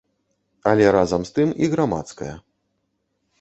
Але разам з тым і грамадская.